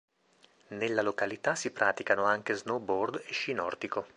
Nella località si praticano anche snowboard e sci nordico.